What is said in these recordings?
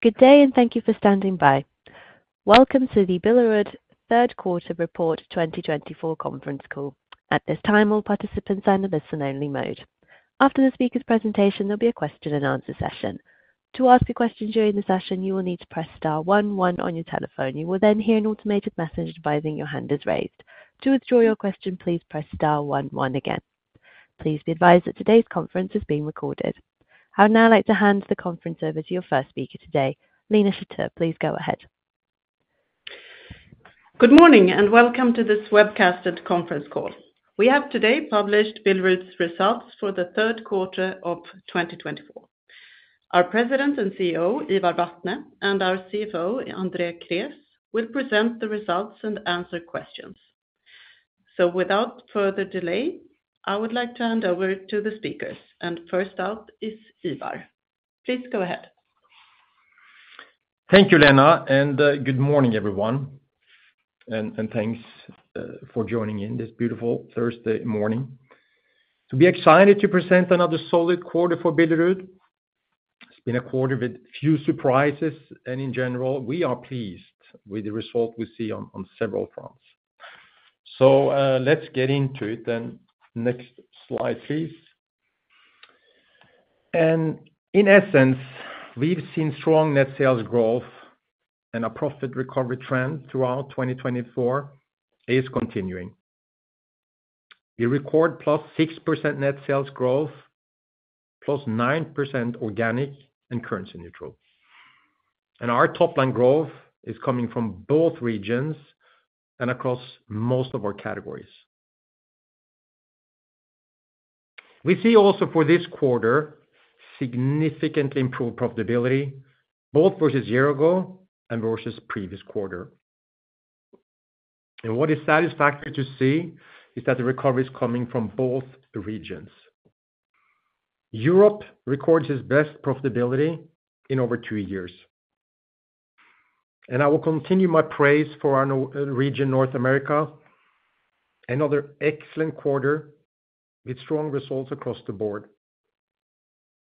Good day and thank you for standing by. Welcome to the Billerud Third Quarter Report 2024 conference call. At this time, all participants are in a listen-only mode. After the speaker's presentation, there'll be a question-and-answer session. To ask a question during the session, you will need to press star one, one on your telephone. You will then hear an automated message advising your hand is raised. To withdraw your question, please press star one, one again. Please be advised that today's conference is being recorded. I would now like to hand the conference over to your first speaker today, Lena Schattauer. Please go ahead. Good morning, and welcome to this webcasted conference call. We have today published Billerud's results for the third quarter of 2024. Our President and CEO, Ivar Vatne, and our CFO, Andrei Krés, will present the results and answer questions. So, without further delay, I would like to hand over to the speakers, and first out is Ivar. Please go ahead. Thank you, Lena, and good morning, everyone, and thanks for joining in this beautiful Thursday morning. To be excited to present another solid quarter for Billerud, it's been a quarter with few surprises, and in general, we are pleased with the result we see on several fronts, so let's get into it then. Next slide, please, and in essence, we've seen strong net sales growth and a profit recovery trend throughout 2024 is continuing. We record plus 6% net sales growth, plus 9% organic and currency neutral, and our top line growth is coming from both regions and across most of our categories. We see also for this quarter, significantly improved profitability, both versus year ago and versus previous quarter, and what is satisfactory to see is that the recovery is coming from both regions. Europe records its best profitability in over two years. I will continue my praise for our Nordics region. North America, another excellent quarter with strong results across the board,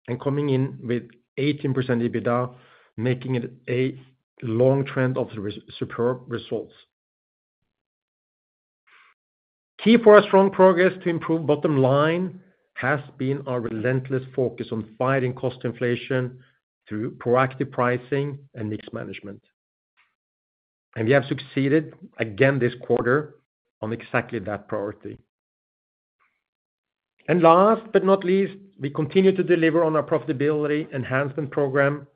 and coming in with 18% EBITDA, making it a long trend of superb results. Key for our strong progress to improve bottom line has been our relentless focus on fighting cost inflation through proactive pricing and mix management. We have succeeded again this quarter on exactly that priority. Last but not least, we continue to deliver on our profitability enhancement program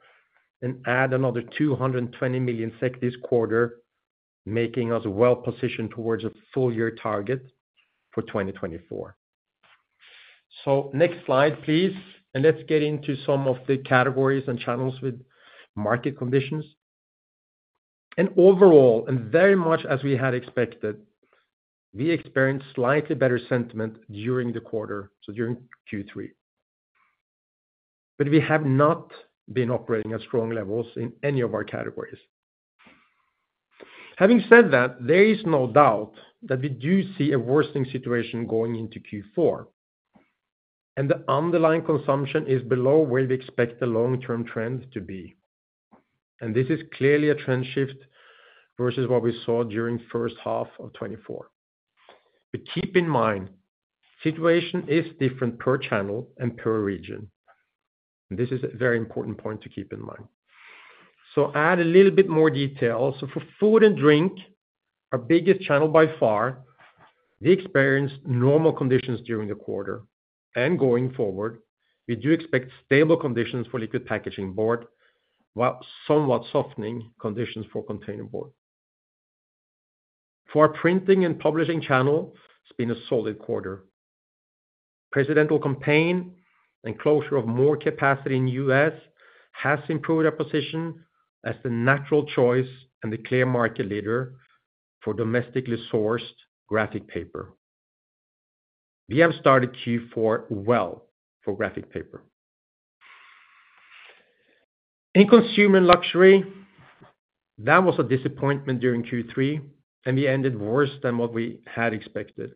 and add another 220 million SEK this quarter, making us well positioned towards a full year target for 2024. Next slide, please, and let's get into some of the categories and channels with market conditions. Overall, and very much as we had expected, we experienced slightly better sentiment during the quarter, so during third quarter. We have not been operating at strong levels in any of our categories. Having said that, there is no doubt that we do see a worsening situation going into fourth quarter, and the underlying consumption is below where we expect the long-term trend to be. This is clearly a trend shift versus what we saw during first half of 2024. Keep in mind, situation is different per channel and per region. This is a very important point to keep in mind. Add a little bit more detail. For food and drink, our biggest channel by far, we experienced normal conditions during the quarter. Going forward, we do expect stable conditions for liquid packaging board, while somewhat softening conditions for containerboard. For our printing and publishing channel, it's been a solid quarter. Presidential campaign and closure of more capacity in US has improved our position as the natural choice and the clear market leader for domestically sourced graphic paper. We have started fourth quarter well for graphic paper. In consumer and luxury, that was a disappointment during third quarter, and we ended worse than what we had expected,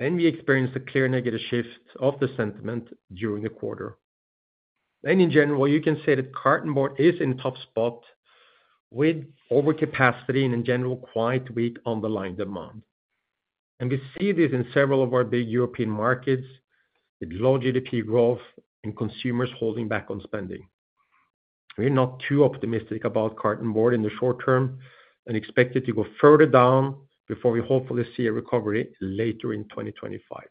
and we experienced a clear negative shift of the sentiment during the quarter, and in general, you can say that cartonboard is in a tough spot with overcapacity and, in general, quite weak underlying demand. And we see this in several of our big European markets, with low GDP growth and consumers holding back on spending. We're not too optimistic about cartonboard in the short term and expect it to go further down before we hopefully see a recovery later in 2025.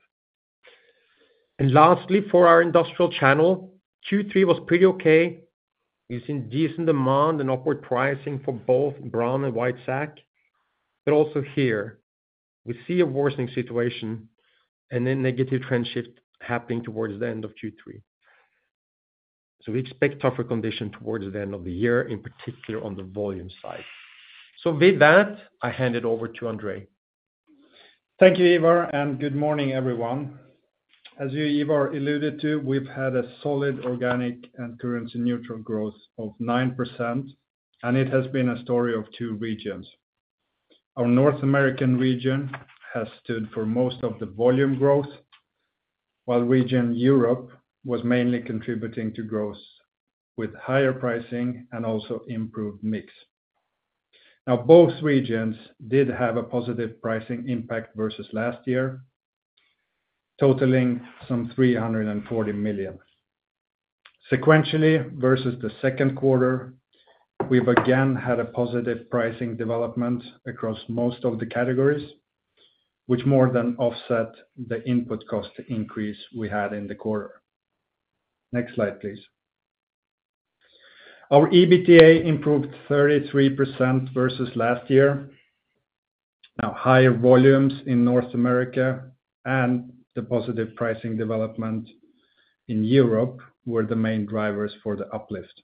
And lastly, for our industrial channel, third quarter was pretty okay. We've seen decent demand and upward pricing for both brown and white sack. But also here, we see a worsening situation and a negative trend shift happening towards the end of third quarter. So we expect tougher condition towards the end of the year, in particular on the volume side. So with that, I hand it over to Andrei. Thank you, Ivar, and good morning, everyone. As you, Ivar, alluded to, we've had a solid organic and currency neutral growth of 9%, and it has been a story of two regions. Our North American region has stood for most of the volume growth. While region Europe was mainly contributing to growth with higher pricing and also improved mix. Now, both regions did have a positive pricing impact versus last year, totaling some 340 million. Sequentially, versus the second quarter, we've again had a positive pricing development across most of the categories, which more than offset the input cost increase we had in the quarter. Next slide, please. Our EBITDA improved 33% versus last year. Now, higher volumes in North America and the positive pricing development in Europe were the main drivers for the uplift.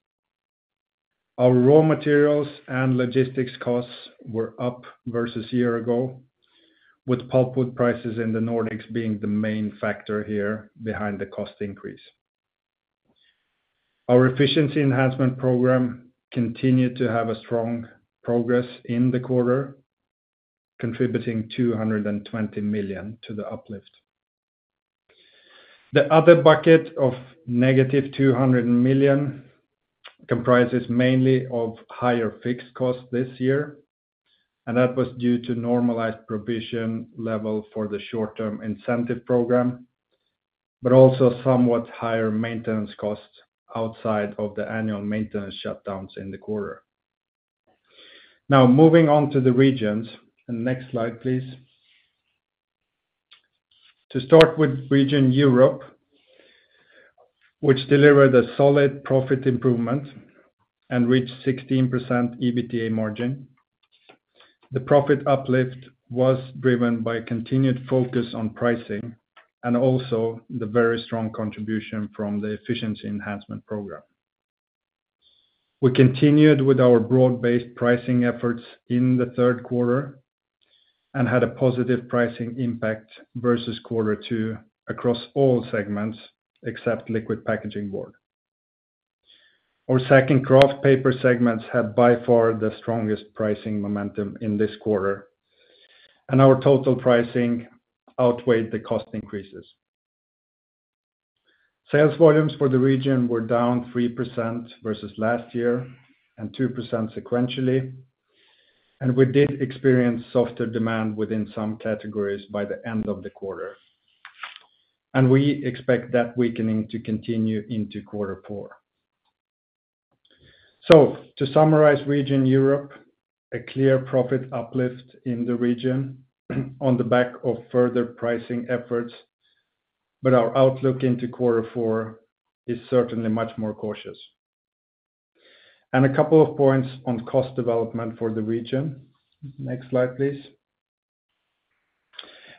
Our raw materials and logistics costs were up versus a year ago, with pulpwood prices in the Nordics being the main factor here behind the cost increase. Our efficiency enhancement program continued to have a strong progress in the quarter, contributing 220 million to the uplift. The other bucket of negative 200 million comprises mainly of higher fixed costs this year, and that was due to normalized provision level for the short-term incentive program, but also somewhat higher maintenance costs outside of the annual maintenance shutdowns in the quarter. Now, moving on to the regions, and next slide, please. To start with Region Europe, which delivered a solid profit improvement and reached 16% EBITDA margin. The profit uplift was driven by continued focus on pricing and also the very strong contribution from the efficiency enhancement program. We continued with our broad-based pricing efforts in the third quarter and had a positive pricing impact versus quarter two across all segments, except liquid packaging board. Our sack and kraft paper segments have, by far, the strongest pricing momentum in this quarter, and our total pricing outweighed the cost increases. Sales volumes for the region were down 3% versus last year and 2% sequentially, and we did experience softer demand within some categories by the end of the quarter. And we expect that weakening to continue into fourth quarter. So, to summarize region Europe, a clear profit uplift in the region on the back of further pricing efforts, but our outlook into fourth quarter is certainly much more cautious. And a couple of points on cost development for the region. Next slide, please.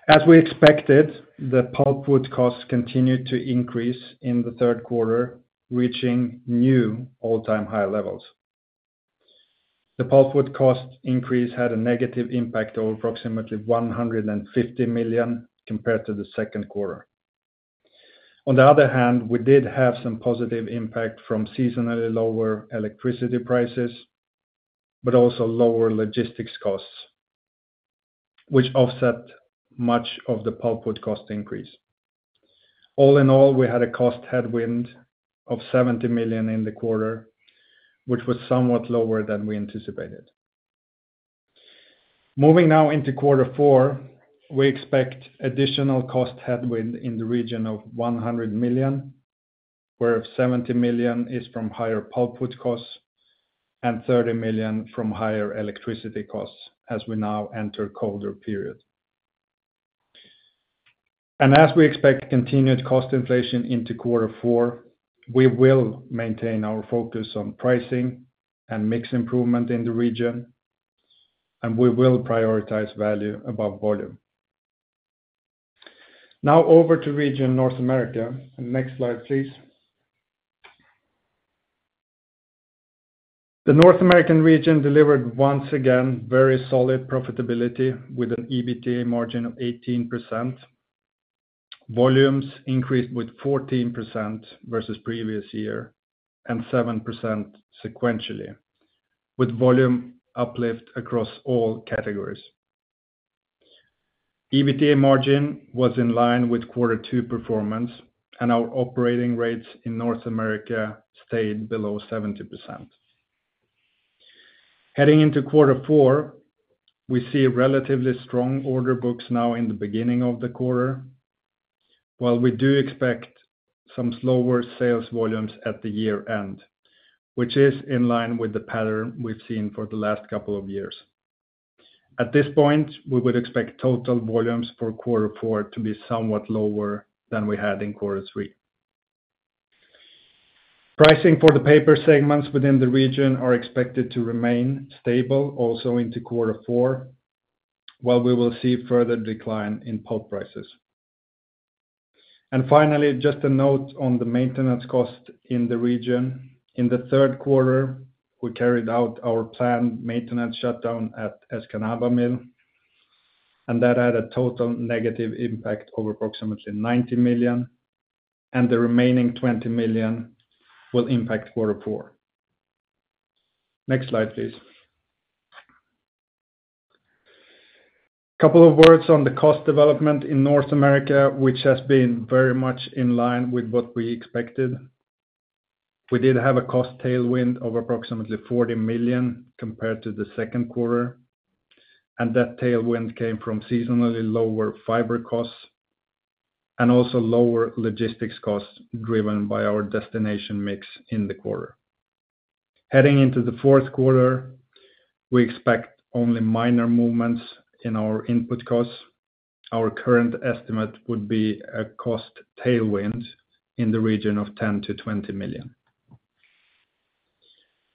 As we expected, the pulpwood costs continued to increase in the third quarter, reaching new all-time high levels. The pulpwood cost increase had a negative impact of approximately 150 million compared to the second quarter. On the other hand, we did have some positive impact from seasonally lower electricity prices, but also lower logistics costs, which offset much of the pulpwood cost increase. All in all, we had a cost headwind of 70 million in the quarter, which was somewhat lower than we anticipated. Moving now into fourth quarter, we expect additional cost headwind in the region of 100 million, where 70 million is from higher pulpwood costs and 30 million from higher electricity costs as we now enter a colder period. And as we expect continued cost inflation into fourth quarter, we will maintain our focus on pricing and mix improvement in the region, and we will prioritize value above volume. Now over to region North America. Next slide, please. The North American region delivered once again, very solid profitability with an EBITDA margin of 18%. Volumes increased with 14% versus previous year and 7% sequentially, with volume uplift across all categories. EBITDA margin was in line with quarter two performance, and our operating rates in North America stayed below 70%. Heading into fourth quarter, we see relatively strong order books now in the beginning of the quarter, while we do expect some slower sales volumes at the year-end, which is in line with the pattern we've seen for the last couple of years. At this point, we would expect total volumes for fourth quarter to be somewhat lower than we had in third quarter. Pricing for the paper segments within the region are expected to remain stable also into fourth quarter, while we will see further decline in pulp prices, and finally, just a note on the maintenance cost in the region. In the third quarter, we carried out our planned maintenance shutdown at Escanaba Mill, and that had a total negative impact of approximately 90 million, and the remaining 20 million will impact fourth quarter. Next slide, please. Couple of words on the cost development in North America, which has been very much in line with what we expected. We did have a cost tailwind of approximately 40 million compared to the second quarter, and that tailwind came from seasonally lower fiber costs and also lower logistics costs, driven by our destination mix in the quarter. Heading into the fourth quarter, we expect only minor movements in our input costs. Our current estimate would be a cost tailwind in the region of 10 to 20 million.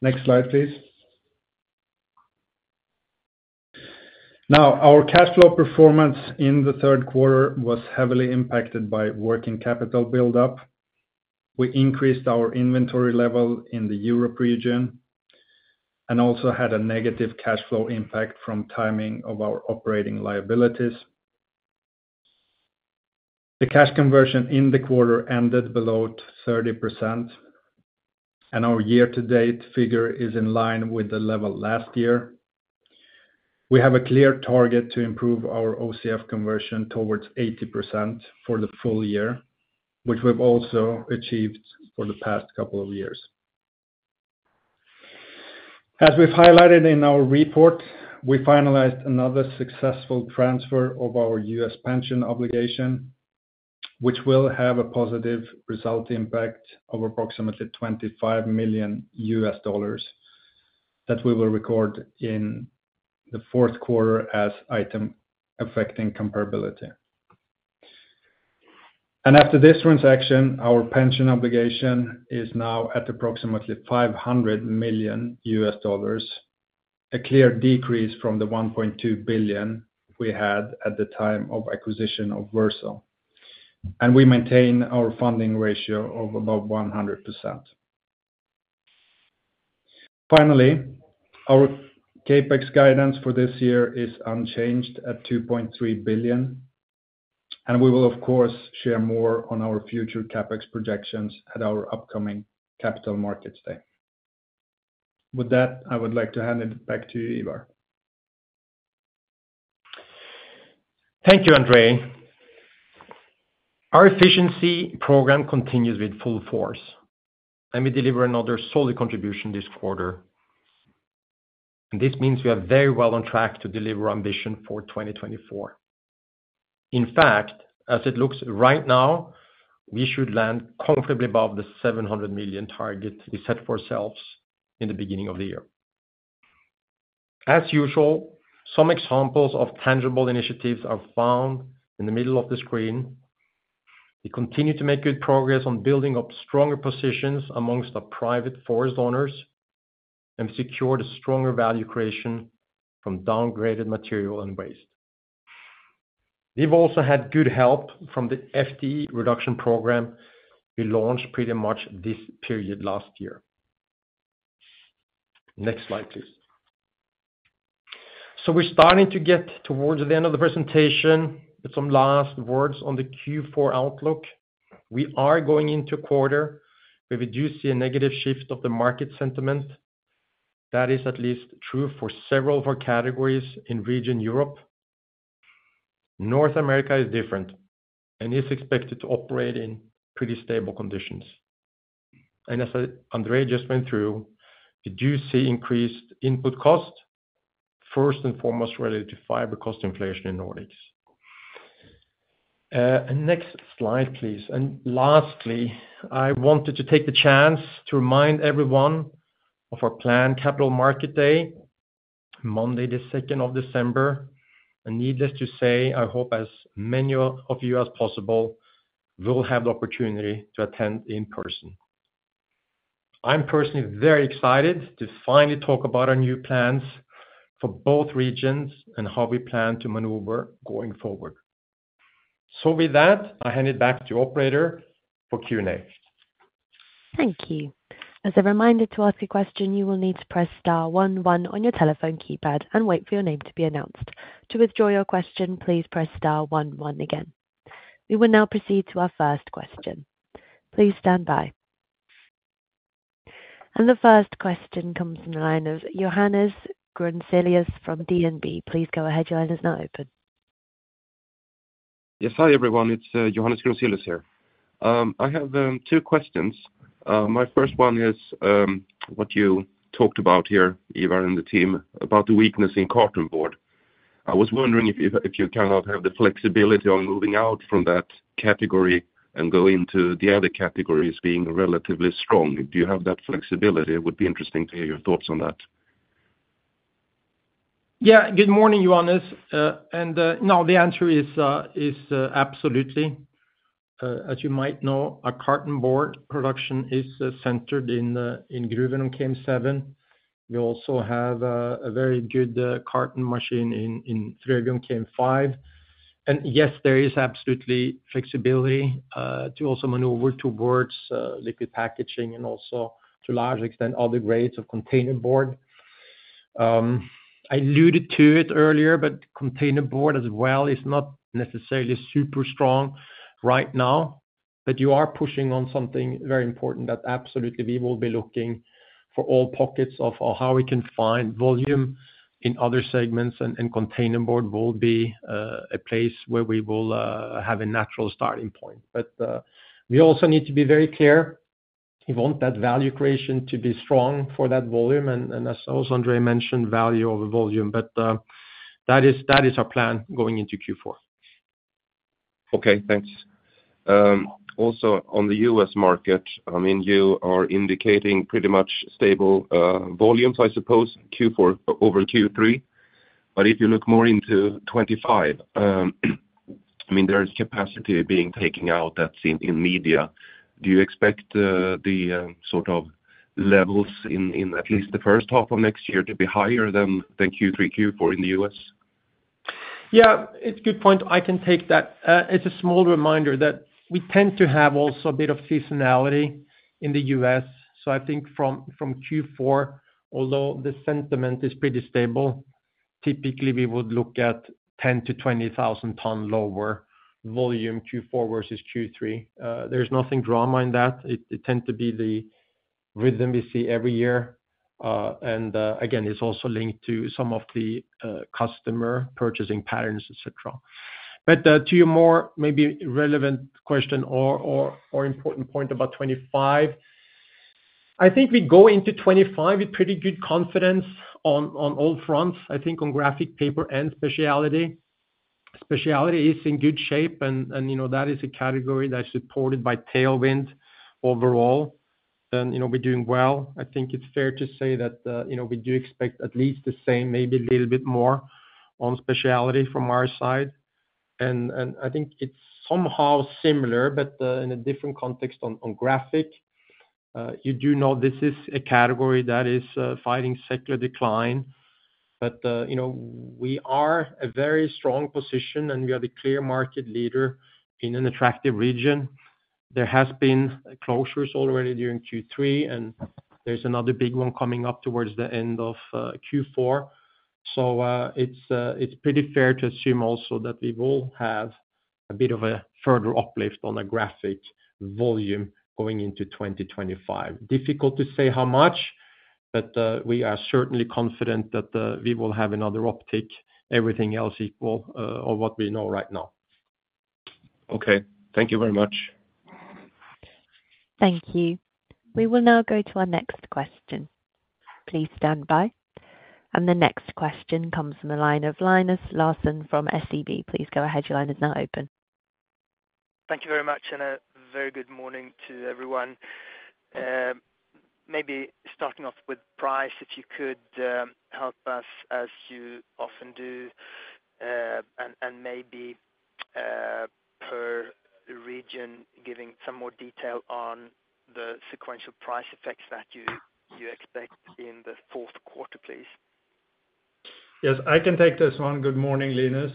Next slide, please. Now, our cash flow performance in the third quarter was heavily impacted by working capital buildup. We increased our inventory level in the Europe region and also had a negative cash flow impact from timing of our operating liabilities. The cash conversion in the quarter ended below 30%, and our year-to-date figure is in line with the level last year. We have a clear target to improve our OCF conversion towards 80% for the full year, which we've also achieved for the past couple of years. As we've highlighted in our report, we finalized another successful transfer of our US pension obligation, which will have a positive result impact of approximately $25 million, that we will record in the fourth quarter as item affecting comparability, and after this transaction, our pension obligation is now at approximately $500 million, a clear decrease from the $1.2 billion we had at the time of acquisition of Verso, and we maintain our funding ratio of above 100%. Finally, our CapEx guidance for this year is unchanged at 2.3 billion, and we will, of course, share more on our future CapEx projections at our upcoming Capital Markets Day. With that, I would like to hand it back to you, Ivar. Thank you, Andrei Krés. Our efficiency program continues with full force, and we deliver another solid contribution this quarter. And this means we are very well on track to deliver ambition for 2024. In fact, as it looks right now, we should land comfortably above the 700 million target we set for ourselves in the beginning of the year. As usual, some examples of tangible initiatives are found in the middle of the screen. We continue to make good progress on building up stronger positions among our private forest owners and secure the stronger value creation from downgraded material and waste. We've also had good help from the FTE reduction program we launched pretty much this period last year. Next slide, please. So, we're starting to get towards the end of the presentation. Some last words on the fourth quarter outlook. We are going into a quarter where we do see a negative shift of the market sentiment. That is at least true for several of our categories in region Europe. North America is different and is expected to operate in pretty stable conditions. And as Andrei just went through, we do see increased input cost, first and foremost, related to fiber cost inflation in Nordics. Next slide, please. And lastly, I wanted to take the chance to remind everyone of our planned Capital Markets Day, Monday, the 2 December 2024. And needless to say, I hope as many of you as possible will have the opportunity to attend in person. I'm personally very excited to finally talk about our new plans for both regions and how we plan to maneuver going forward. So, with that, I hand it back to you, operator, for Q&A. Thank you. As a reminder, to ask a question, you will need to press star one, one on your telephone keypad and wait for your name to be announced. To withdraw your question, please press star one, one again. We will now proceed to our first question. Please stand by. And the first question comes from the line of Johannes Grunselius from DNB. Please go ahead, your line is now open. Yes, hi, everyone, it's Johannes Grunselius here. I have two questions. My first one is what you talked about here, Ivar, and the team, about the weakness in cartonboard. I was wondering if you, if you cannot have the flexibility on moving out from that category and go into the other categories being relatively strong. Do you have that flexibility? It would be interesting to hear your thoughts on that. Yeah, good morning, Johannes. No, the answer is absolutely. As you might know, our cartonboard production is centered in Gruvön KM7. We also have a very good carton machine in Frövi KM5. Yes, there is absolutely flexibility to also maneuver towards liquid packaging and also to a large extent, other grades of containerboard. I alluded to it earlier, but containerboard as well is not necessarily super strong right now. But you are pushing on something very important, that absolutely we will be looking for all pockets of how we can find volume in other segments, and containerboard will be a place where we will have a natural starting point. But we also need to be very clear, we want that value creation to be strong for that volume, and as also Andrei mentioned, value over volume. But that is our plan going into fourth quarter. Okay, thanks. Also, on the US market, I mean, you are indicating pretty much stable volumes, I suppose, fourth quarter over third quarter. But if you look more into 2025, I mean, there is capacity being taken out that's in media. Do you expect the sort of levels in at least the first half of next year to be higher than the third quarter, fourth quarter in the US? Yeah, it's a good point. I can take that. It's a small reminder that we tend to have also a bit of seasonality in the US, so I think from fourth quarter, although the sentiment is pretty stable, typically we would look at 10 to 20 thousand tons lower volume, fourth quarter versus third quarter. There's nothing dramatic in that. It tends to be the rhythm we see every year. And again, it's also linked to some of the customer purchasing patterns, etc. But to your more maybe relevant question or important point about 2025, I think we go into 2025 with pretty good confidence on all fronts. I think on graphic paper and specialty. Specialty is in good shape, and you know, that is a category that's supported by tailwind overall, and you know, we're doing well. I think it's fair to say that, you know, we do expect at least the same, maybe a little bit more, on specialty from our side. And I think it's somehow similar, but in a different context on graphic. You do know this is a category that is fighting secular decline, but you know, we are a very strong position, and we are the clear market leader in an attractive region. There has been closures already during third quarter, and there's another big one coming up towards the end of fourth quarter. So, it's pretty fair to assume also that we will have a bit of a further uplift on the graphic volume going into 2025. Difficult to say how much, but we are certainly confident that we will have another uptick, everything else equal, on what we know right now. Okay. Thank you very much. Thank you. We will now go to our next question. Please stand by, and the next question comes from the line of Linus Larsson from SEB. Please go ahead. Your line is now open. Thank you very much, and a very good morning to everyone. Maybe starting off with price, if you could help us, as you often do, and maybe per region, giving some more detail on the sequential price effects that you expect in the fourth quarter, please. Yes, I can take this one. Good morning, Linus.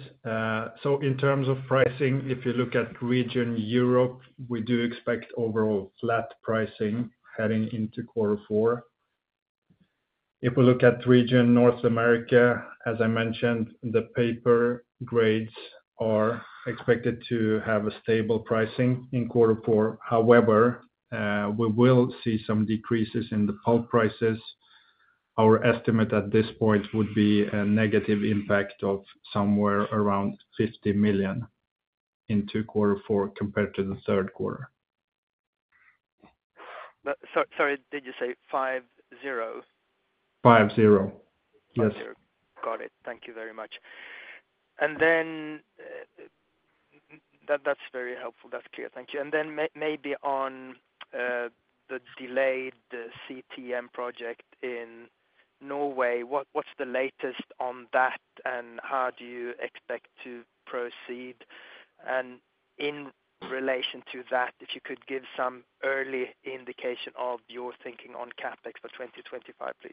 So, in terms of pricing, if you look at region Europe, we do expect overall flat pricing heading into fourth quarter. If we look at region North America, as I mentioned, the paper grades are expected to have a stable pricing in fourth quarter. However, we will see some decreases in the pulp prices. Our estimate at this point would be a negative impact of somewhere around 50 million into fourth quarter compared to the third quarter. Sorry, did you say five, zero? Five, zero. Yes. Got it. Thank you very much. And then, that, that's very helpful. That's clear. Thank you. And then maybe on the delayed CTMP project in Norway, what's the latest on that, and how do you expect to proceed? And in relation to that, if you could give some early indication of your thinking on CapEx for 2025, please.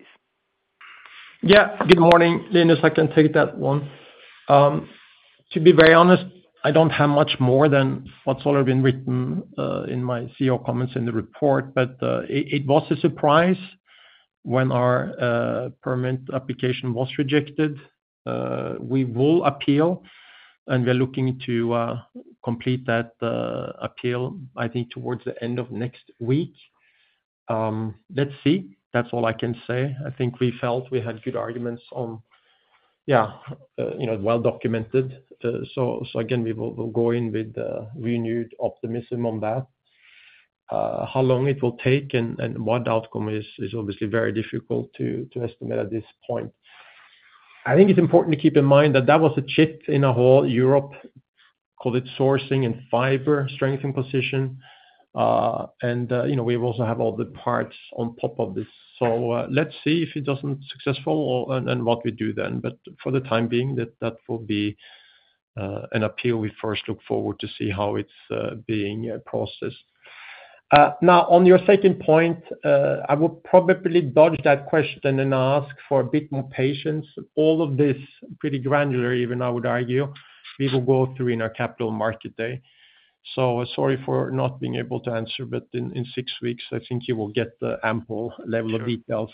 Yeah. Good morning, Linus. I can take that one. To be very honest, I don't have much more than what's already been written in my CEO comments in the report. But it was a surprise when our permit application was rejected. We will appeal, and we're looking to complete that appeal, I think, towards the end of next week. Let's see. That's all I can say. I think we felt we had good arguments, yeah, you know, well documented. So again, we will go in with renewed optimism on that. How long it will take and what outcome is obviously very difficult to estimate at this point. I think it's important to keep in mind that that was a chip in a whole Europe COVID sourcing and fiber strengthening position. You know, we also have all the parts on top of this. So, let's see if it isn't successful or, and what we do then. But for the time being, that will be an appeal. We first look forward to see how it's being processed. Now, on your second point, I will probably dodge that question and ask for a bit more patience. All of this, pretty granular, even I would argue, we will go through in our Capital Markets Day. So sorry for not being able to answer, but in six weeks, I think you will get the ample level of details.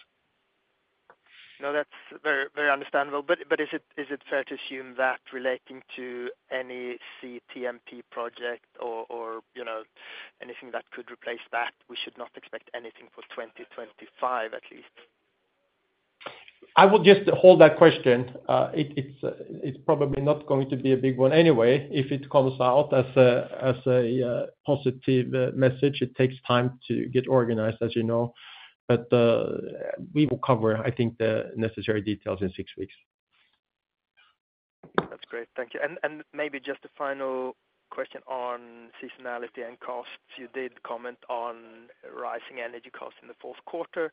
No, that's very, very understandable. But is it, is it fair to assume that relating to any CTMP project or, or, you know, anything that could replace that, we should not expect anything for 2025, at least? I would just hold that question. It's probably not going to be a big one anyway. If it comes out as a positive message, it takes time to get organized, as you know. But we will cover, I think, the necessary details in six weeks. That's great. Thank you. And maybe just a final question on seasonality and costs. You did comment on rising energy costs in the fourth quarter,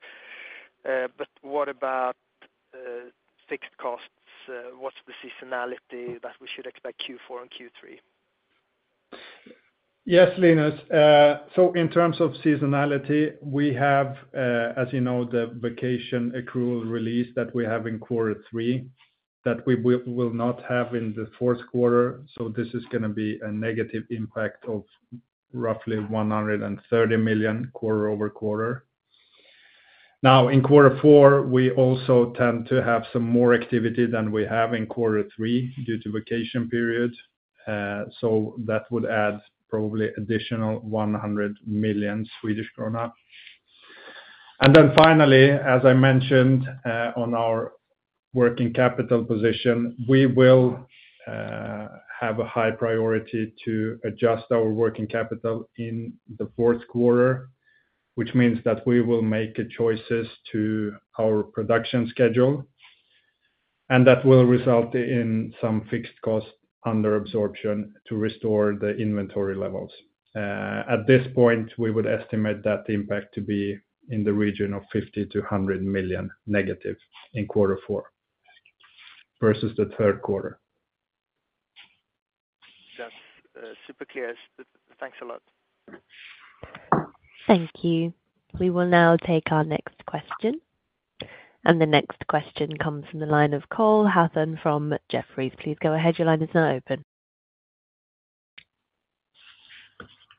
but what about fixed costs? What's the seasonality that we should expect fourth quarter and third quarter? Yes, Linus. So, in terms of seasonality, we have, as you know, the vacation accrual release that we have in third quarter, that we will not have in the fourth quarter. So, this is gonna be a negative impact of roughly 130 million quarter over quarter. Now, in fourth quarter, we also tend to have some more activity than we have in third quarter due to vacation periods. So that would add probably additional 100 million Swedish krona. And then finally, as I mentioned, on our working capital position, we will have a high priority to adjust our working capital in the fourth quarter, which means that we will make changes to our production schedule, and that will result in some fixed cost under absorption to restore the inventory levels. At this point, we would estimate that impact to be in the region of 50 to 100 million negative in fourth quarter versus the third quarter. That's super clear. Thanks a lot. Thank you. We will now take our next question, and the next question comes from the line of Cole Hathorn from Jefferies. Please go ahead. Your line is now open.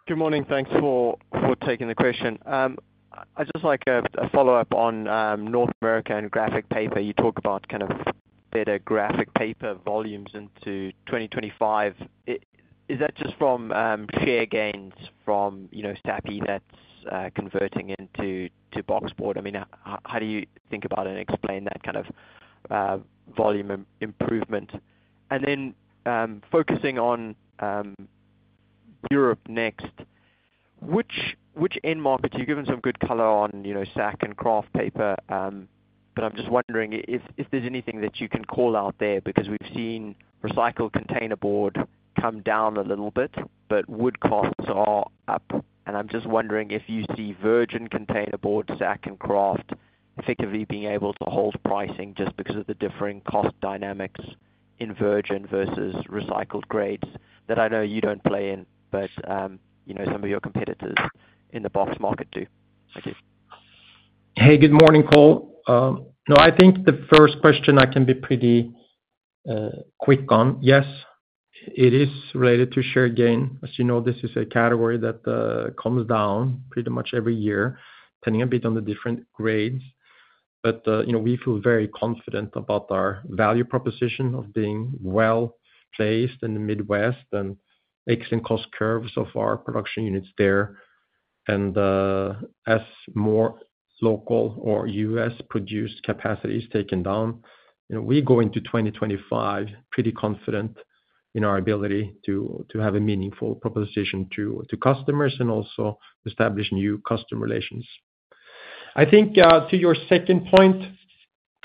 Good morning. Thanks for taking the question. I'd just like a follow-up on North America and graphic paper. You talk about kind of better graphic paper volumes into 2025. Is that just from share gains from, you know, Sappi that's converting into boxboard? I mean, how do you think about and explain that kind of volume improvement? And then, focusing on Europe next, which end markets you've given some good color on, you know, sack and kraft paper, but I'm just wondering if there's anything that you can call out there, because we've seen recycled containerboard come down a little bit, but wood costs are up. I'm just wondering if you see virgin containerboard, sack and kraft, effectively being able to hold pricing just because of the differing cost dynamics in virgin versus recycled grades, that I know you don't play in, but, you know, some of your competitors in the box market do. Thank you. Hey, good morning, Cole. No, I think the first question I can be pretty quick on. Yes, it is related to share gain. As you know, this is a category that comes down pretty much every year, depending a bit on the different grades. But you know, we feel very confident about our value proposition of being well-placed in the Midwest and mixing cost curves of our production units there. And as more local or US-produced capacity is taken down, you know, we go into 2025 pretty confident in our ability to have a meaningful proposition to customers and also establish new customer relations. I think to your second point,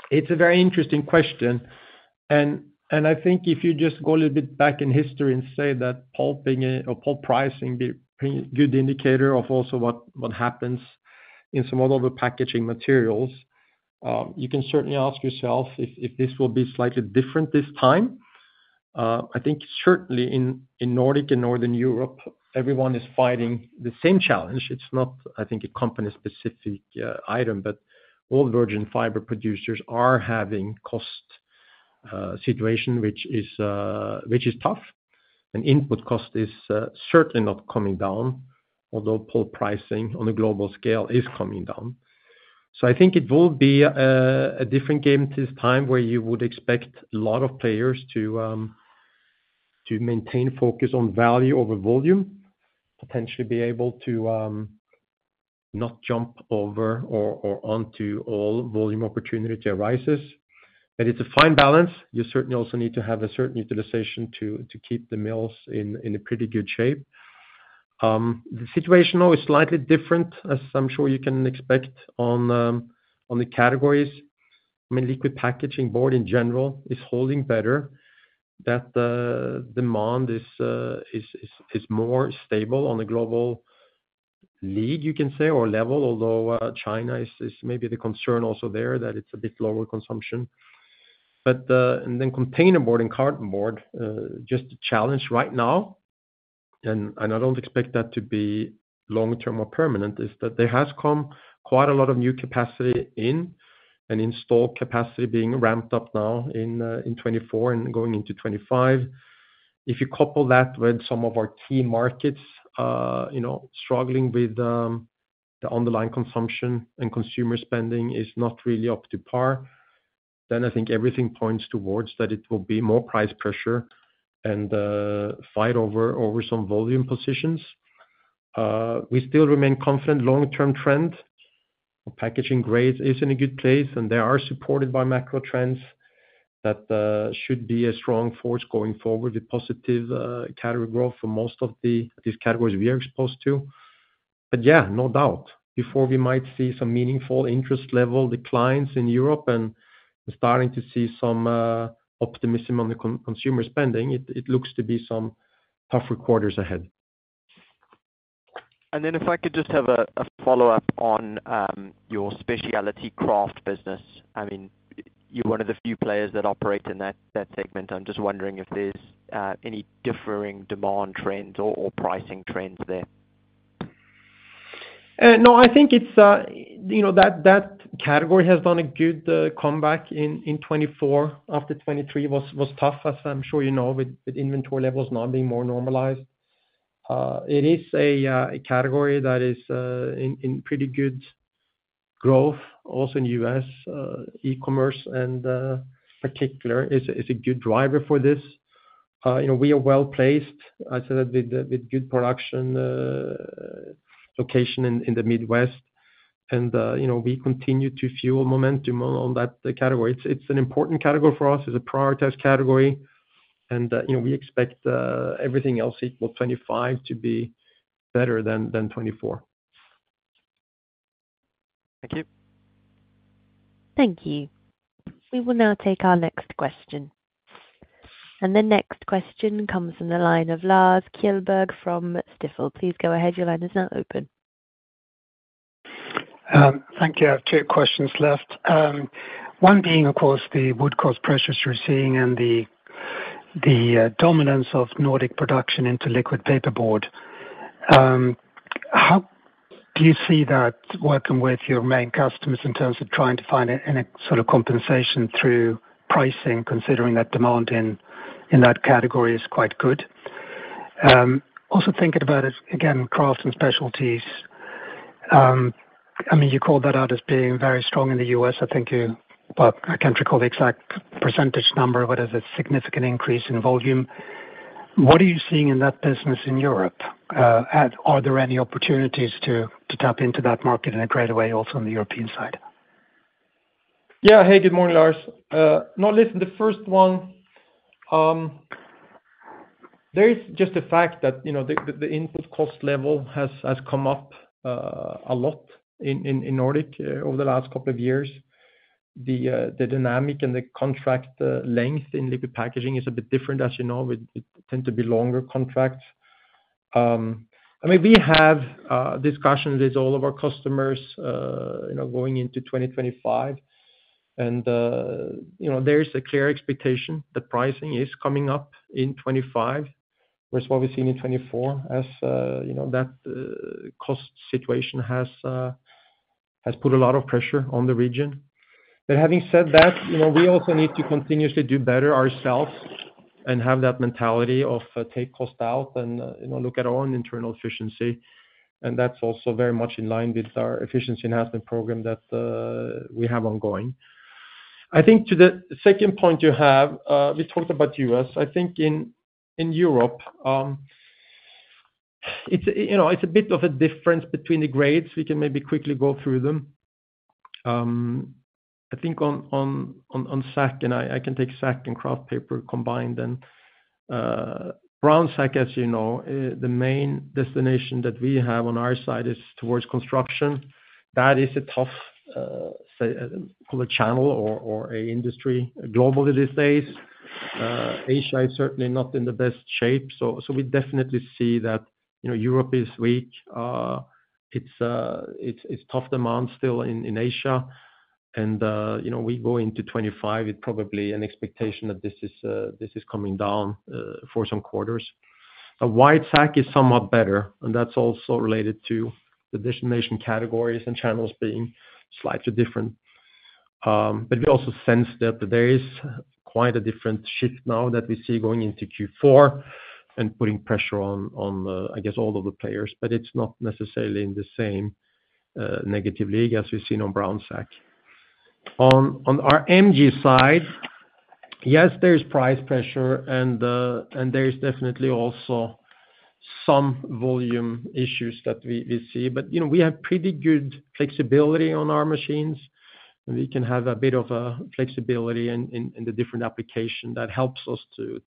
it's a very interesting question. I think if you just go a little bit back in history and say that pulping or pulp pricing be pretty good indicator of also what happens in some other packaging materials, you can certainly ask yourself if this will be slightly different this time. I think certainly in Nordic and Northern Europe, everyone is fighting the same challenge. It's not, I think, a company-specific item, but all virgin fiber producers are having cost situation, which is tough. Input cost is certainly not coming down, although pulp pricing on a global scale is coming down. So, I think it will be a different game this time, where you would expect a lot of players to maintain focus on value over volume, potentially be able to not jump over or onto all volume opportunity arises. But it's a fine balance. You certainly also need to have a certain utilization to keep the mills in a pretty good shape. The situation, though, is slightly different, as I'm sure you can expect on the categories. I mean, liquid packaging board in general is holding better, that demand is more stable on a global level, you can say, or level, although China is maybe the concern also there, that it's a bit lower consumption. But... And then container board and cartonboard just a challenge right now, and I don't expect that to be long-term or permanent, is that there has come quite a lot of new capacity in and installed capacity being ramped up now in 2024 and going into 2025. If you couple that with some of our key markets, you know, struggling with the underlying consumption and consumer spending is not really up to par, then I think everything points towards that it will be more price pressure and fight over some volume positions. We still remain confident long-term trend. Packaging grades is in a good place, and they are supported by macro trends that should be a strong force going forward, with positive category growth for most of these categories we are exposed to. But yeah, no doubt, before we might see some meaningful interest level declines in Europe and starting to see some optimism on the consumer spending, it looks to be some tougher quarters ahead. If I could just have a follow-up on your specialty kraft business. I mean, you're one of the few players that operate in that segment. I'm just wondering if there's any differing demand trends or pricing trends there? No, I think it's you know, that category has done a good comeback in 2024, after 2023 was tough, as I'm sure you know, with inventory levels now being more normalized. It is a category that is in pretty good growth, also in US e-commerce, and e-commerce in particular is a good driver for this. You know, we are well-placed, I said, with good production location in the Midwest. You know, we continue to fuel momentum on that category. It's an important category for us, it's a prioritized category, and you know, we expect everything else equal 2025 to be better than 2024. Thank you. Thank you. We will now take our next question. And the next question comes from the line of Lars Kjellberg from Stifel. Please go ahead. Your line is now open. Thank you. I have two questions left. One being, of course, the wood cost pressures you're seeing and the dominance of Nordic production into liquid packaging board. How do you see that working with your main customers in terms of trying to find any sort of compensation through pricing, considering that demand in that category is quite good? Also thinking about, again, kraft and specialties. I mean, you called that out as being very strong in the US, I think... But I can't recall the exact percentage number, but it's a significant increase in volume. What are you seeing in that business in Europe, and are there any opportunities to tap into that market in a greater way, also on the European side? Yeah. Hey, good morning, Lars. No, listen, the first one, there is just the fact that, you know, the input cost level has come up a lot in Nordic over the last couple of years. The dynamic and the contract length in liquid packaging is a bit different, as you know. It tend to be longer contracts. I mean, we have discussions with all of our customers, you know, going into 2025. You know, there is a clear expectation that pricing is coming up in 2025, versus what we've seen in 2024, as, you know, that cost situation has put a lot of pressure on the region. But having said that, you know, we also need to continuously do better ourselves and have that mentality of take cost out and, you know, look at our own internal efficiency. And that's also very much in line with our efficiency enhancement program that we have ongoing. I think to the second point you have, we talked about US I think in Europe, it's, you know, it's a bit of a difference between the grades. We can maybe quickly go through them. I think on sack, and I can take sack and kraft paper combined, and brown sack, as you know, the main destination that we have on our side is towards construction. That is a tough, say, call it channel or a industry globally these days. Asia is certainly not in the best shape, so we definitely see that, you know, Europe is weak. It's tough demand still in Asia, and, you know, we go into 2025 with probably an expectation that this is coming down for some quarters. A white sack is somewhat better, and that's also related to the destination categories and channels being slightly different. But we also sense that there is quite a different shift now that we see going into fourth quarter and putting pressure on, I guess, all of the players, but it's not necessarily in the same negative league as we've seen on brown sack. On our MG side, yes, there is price pressure, and there is definitely also some volume issues that we see. But, you know, we have pretty good flexibility on our machines, and we can have a bit of a flexibility in the different application. That helps us to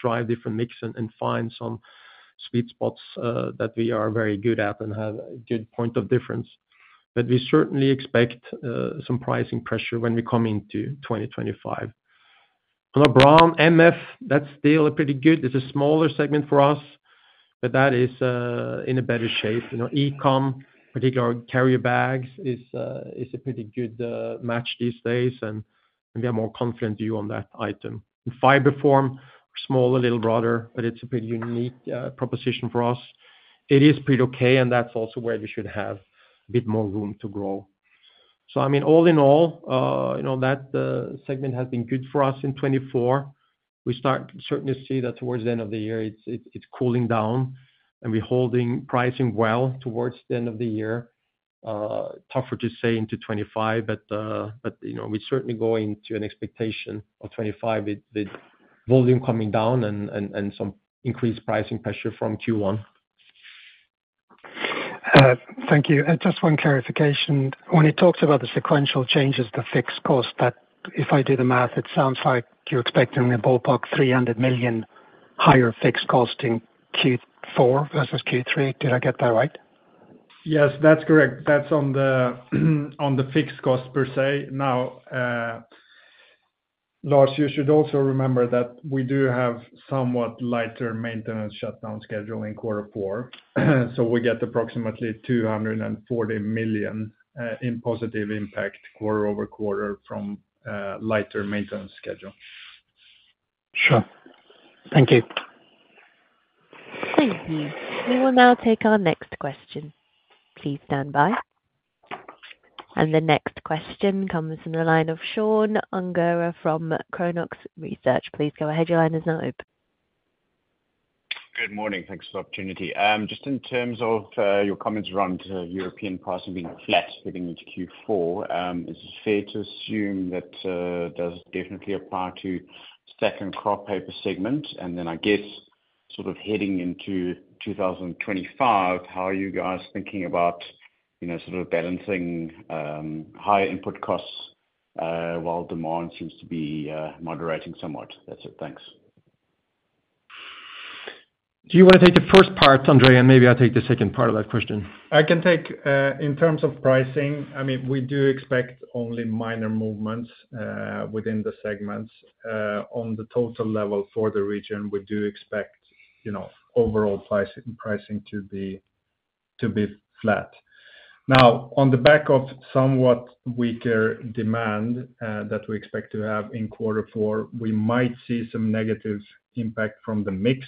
drive different mix and find some sweet spots that we are very good at and have a good point of difference. But we certainly expect some pricing pressure when we come into 2025. On a brown MF, that's still a pretty good... It's a smaller segment for us, but that is in a better shape. You know, e-com, particularly carrier bags, is a pretty good match these days, and we have more confident view on that item. In FibreForm, smaller, little broader, but it's a pretty unique proposition for us. It is pretty okay, and that's also where we should have a bit more room to grow. So, I mean, all in all, you know, that segment has been good for us in 2024. We start certainly to see that towards the end of the year, it's cooling down, and we're holding pricing well towards the end of the year. Tougher to say into 2025, but, you know, we're certainly going to an expectation of 2025, with volume coming down and some increased pricing pressure from first quarter. Thank you, and just one clarification. When it talks about the sequential changes to fixed cost, that if I do the math, it sounds like you're expecting a ballpark 300 million higher fixed cost in fourth quarter versus third quarter. Did I get that right? Yes, that's correct. That's on the, on the fixed cost per se. Now, Lars, you should also remember that we do have somewhat lighter maintenance shutdown schedule in fourth quarter. So, we get approximately 240 million in positive impact quarter over quarter from lighter maintenance schedule. Sure. Thank you. Thank you. We will now take our next question. Please stand by. And the next question comes from the line of Sean Ungerer from Chronux Research. Please go ahead, your line is now open. Good morning, thanks for the opportunity. Just in terms of your comments around European pricing being flat heading into fourth quarter, is it fair to assume that does definitely apply to sack paper segment? And then I guess, sort of heading into 2025, how are you guys thinking about, you know, sort of balancing higher input costs while demand seems to be moderating somewhat? That's it. Thanks. Do you wanna take the first part, Andrei? And maybe I'll take the second part of that question. I can take, in terms of pricing, I mean, we do expect only minor movements within the segments. On the total level for the region, we do expect, you know, overall pricing to be flat. Now, on the back of somewhat weaker demand that we expect to have in fourth quarter, we might see some negative impact from the mix.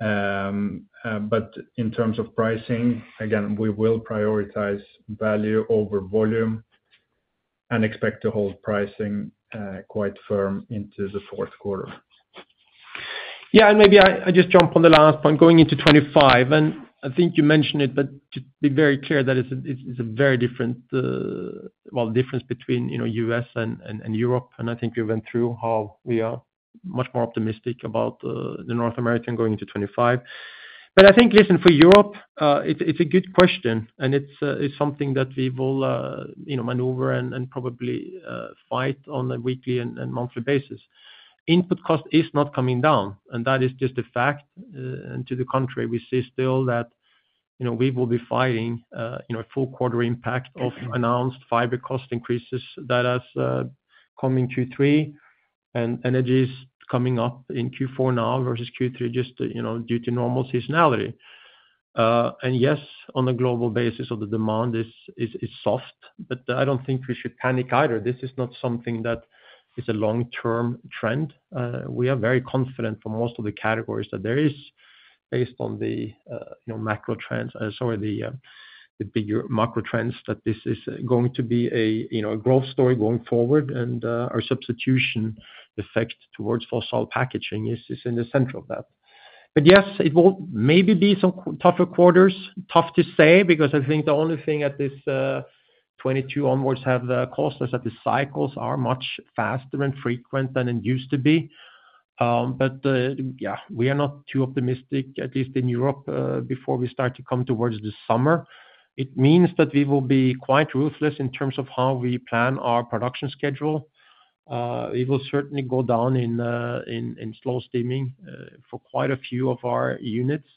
But in terms of pricing, again, we will prioritize value over volume and expect to hold pricing quite firm into the fourth quarter. Yeah, and maybe I just jump on the last point going into 2025, and I think you mentioned it, but to be very clear that it's a very different, well, difference between, you know, US and Europe. I think we went through how we are much more optimistic about the North America going into 2025. But I think, listen, for Europe, it's a good question, and it's something that we will, you know, maneuver and probably fight on a weekly and monthly basis. Input cost is not coming down, and that is just a fact. And to the contrary, we see still that, you know, we will be fighting, you know, a full quarter impact of announced fiber cost increases that has come in third quarter, and energy is coming up in fourth quarter now versus third quarter, just, you know, due to normal seasonality. And yes, on a global basis of the demand is soft, but I don't think we should panic either. This is not something that is a long-term trend. We are very confident for most of the categories that there is, based on the, you know, macro trends, sorry, the bigger macro trends, that this is going to be a, you know, a growth story going forward. And our substitution effect towards fossil packaging is in the center of that. But yes, it will maybe be some tougher quarters. Tough to say, because I think the only thing that this 2022 onwards have in common is that the cycles are much faster and more frequent than it used to be. But yeah, we are not too optimistic, at least in Europe, before we start to come towards the summer. It means that we will be quite ruthless in terms of how we plan our production schedule. It will certainly go down in slow steaming for quite a few of our units.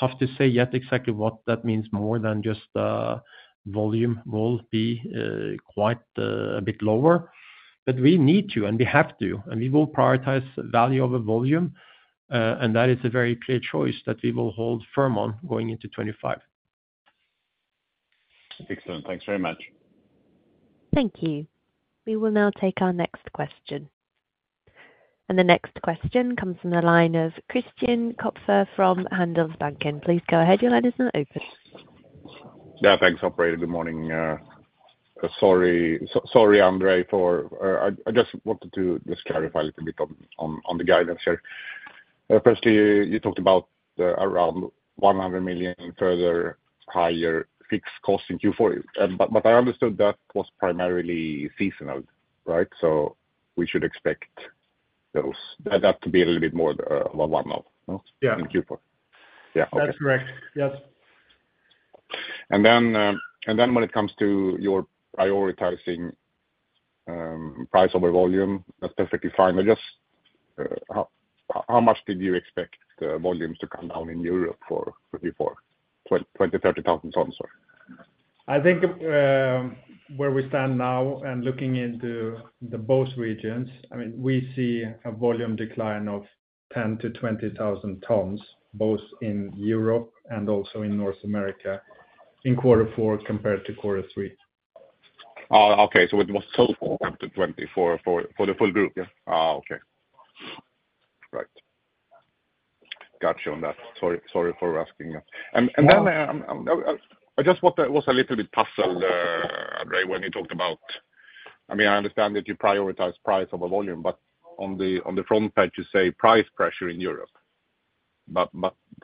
Tough to say yet exactly what that means more than just volume will be quite a bit lower. But we need to and we have to, and we will prioritize value over volume, and that is a very clear choice that we will hold firm on going into 2025. Excellent. Thanks very much. Thank you. We will now take our next question. And the next question comes from the line of Christian Kopfer from Handelsbanken. Please go ahead, your line is now open. Yeah, thanks, operator. Good morning, sorry, Andrei, for, I just wanted to clarify a little bit on the guidance here. Firstly, you talked about around 100 million further higher fixed costs in fourth quarter. But I understood that was primarily seasonal, right? So, we should expect those, that to be a little bit more, well, one off, no... Yeah. ...in fourth quarter. Yeah, okay. That's correct. Yep. When it comes to your prioritizing price over volume, that's perfectly fine. But just how much did you expect the volumes to come down in Europe for 2024? 20 to 30 thousand tons, sorry. I think, where we stand now, and looking into both regions, I mean, we see a volume decline of 10 to 20 thousand tons, both in Europe and also in North America, in fourth quarter compared to third quarter. Oh, okay. So, it was total up to 20 for the full group? Yeah. Oh, okay. Right. Gotcha on that. Sorry, sorry for asking that. And then, I was a little bit puzzled, Andrei, when you talked about—I mean, I understand that you prioritize price over volume, but on the front page, you say price pressure in Europe. But,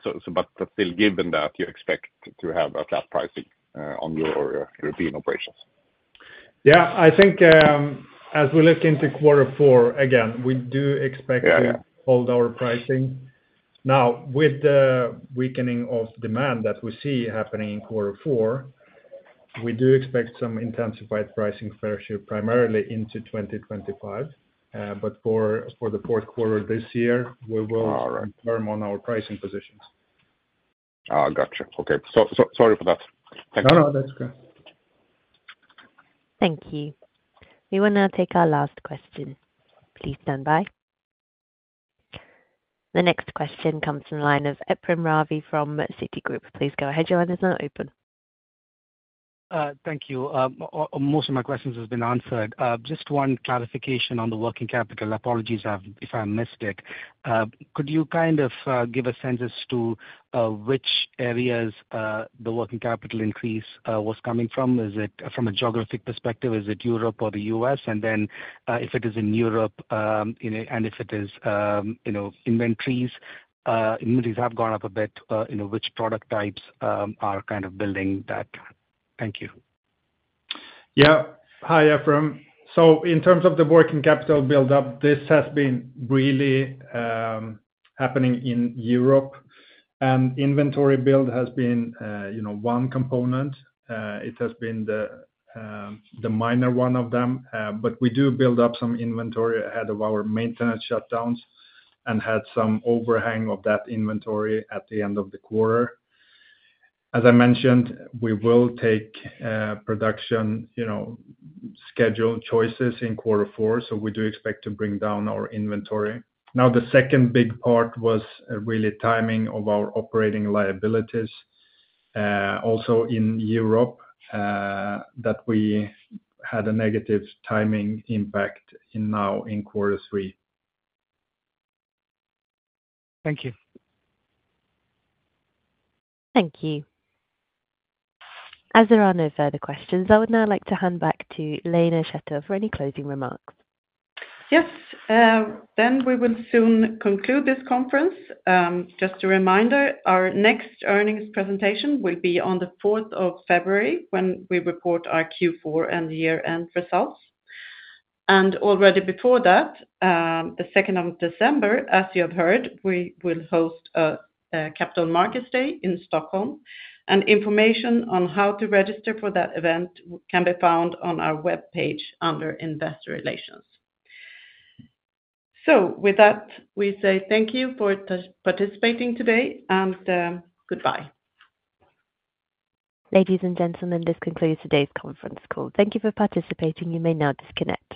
so but still, given that, you expect to have a flat pricing on your European operations? Yeah, I think, as we look into fourth quarter, again, we do expect... Yeah, yeah ...to hold our pricing. Now, with the weakening of demand that we see happening in fourth quarter, we do expect some intensified pricing pressure, primarily into 2025. But for the fourth quarter this year, we will... Ah, right ...firm on our pricing positions. Ah, gotcha. Okay. So, sorry for that. Thank you. No, no, that's okay. Thank you. We will now take our last question. Please stand by. The next question comes from the line of Ephrem Ravi from Citigroup. Please go ahead, your line is now open. Thank you. Most of my questions has been answered. Just one clarification on the working capital. Apologies if I missed it. Could you kind of give a sense of which areas the working capital increase was coming from? Is it from a geographic perspective, is it Europe or the US? And then, if it is in Europe, you know, and if it is, you know, inventories have gone up a bit, you know, which product types are kind of building that? Thank you. Yeah. Hi, Ephrem. So, in terms of the working capital build up, this has been really happening in Europe, and inventory build has been, you know, one component. It has been the, the minor one of them. But we do build up some inventory ahead of our maintenance shutdowns and had some overhang of that inventory at the end of the quarter. As I mentioned, we will take production, you know, schedule choices in fourth quarter, so we do expect to bring down our inventory. Now, the second big part was really timing of our operating liabilities, also in Europe, that we had a negative timing impact in now in third quarter. Thank you. Thank you. As there are no further questions, I would now like to hand back to Lena Schattauer for any closing remarks. Yes, then we will soon conclude this conference. Just a reminder, our next earnings presentation will be on the 4 February 2025, when we report our fourth quarter and year-end results. Already before that, the 2 December 2024, as you have heard, we will host a Capital Markets Day in Stockholm, and information on how to register for that event can be found on our web page under Investor Relations. With that, we say thank you for participating today, and goodbye. Ladies and gentlemen, this concludes today's conference call. Thank you for participating. You may now disconnect.